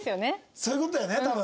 そういう事だよね多分。